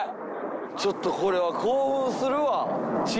ちょっとこれは興奮するわ。